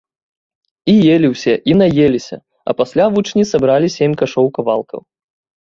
І елі ўсе і наеліся, а пасля вучні сабралі сем кашоў кавалкаў.